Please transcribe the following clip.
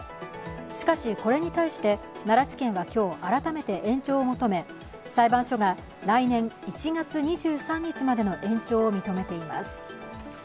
しかし、これに対して奈良地検は今日、改めて延長を求め裁判所が来年１月２３日までの延長を認めています。